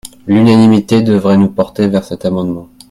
L’unanimité devrait nous porter vers cet amendement.